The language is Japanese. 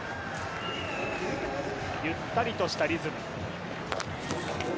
ゆったりとしたリズム。